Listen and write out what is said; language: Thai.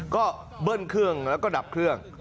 ก็เบิ้ลเครื่องแล้วก็ดับเครื่อง